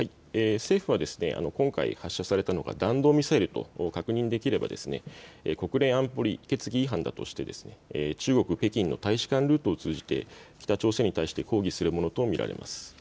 政府は今回発射されたのが弾道ミサイルと確認できれば国連安保理決議違反だとして中国・北京の大使館ルートを通じて北朝鮮に対して抗議するものと見られます。